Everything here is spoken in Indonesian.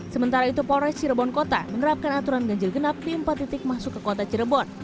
sementara itu polres cirebon kota menerapkan aturan ganjil genap di empat titik masuk ke kota cirebon